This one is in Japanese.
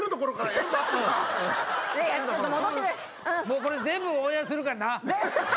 もうこれ全部オンエアするからな。